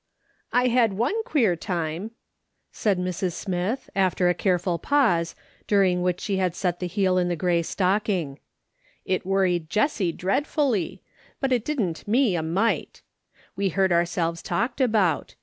" I HAD one queer time," said Mrs. Smith, after a careful pause, during which she set tlie heel in the grey stocking. " It worried Jessie dreadfxilly ; but it didn't me a mite. We heard ourselves talked about.